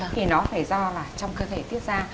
thì nó phải do là trong cơ thể tiết ra